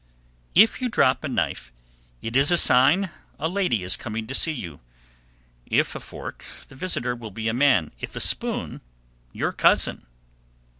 _ 764. If you drop a knife, it is a sign a lady is coming to see you. If a fork, the visitor will be a man; if a spoon, your cousin.